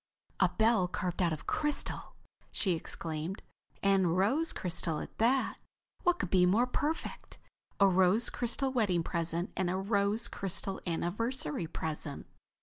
"A bell carved out of crystal!" she exclaimed. "And rose crystal at that. What could be more perfect? A rose crystal wedding present and a rose crystal anniversary present!"